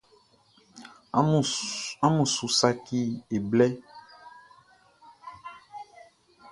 Amun su saci e blɛ.